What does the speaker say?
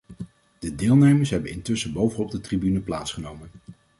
De deelnemers hebben intussen boven op de tribune plaatsgenomen.